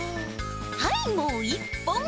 はいもう１ぽん。